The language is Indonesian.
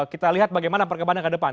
kita lihat bagaimana perkembangannya ke depan